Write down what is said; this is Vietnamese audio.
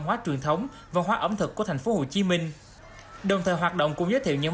hóa truyền thống và hóa ẩm thực của thành phố hồ chí minh đồng thời hoạt động cũng giới thiệu những